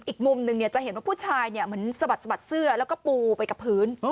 อีกมุมหนึ่งจะเห็นว่าผู้ชายเหมือนสะบัดสะบัดเสื้อแล้วก็ปูไปกับพื้น